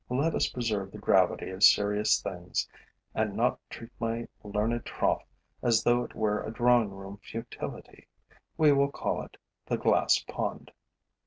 Let us preserve the gravity of serious things and not treat my learned trough as though it were a drawing room futility. We will call it the glass pond.